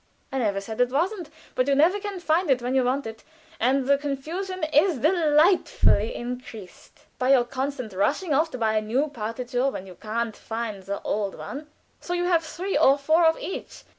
"I never said it wasn't. But you never can find it when you want it, and the confusion is delightfully increased by your constantly rushing off to buy a new partitur when you can't find the old one; so you have three or four of each."